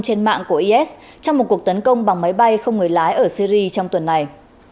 trên mạng của is trong một cuộc tấn công bằng máy bay không người lái ở syri trong tuần này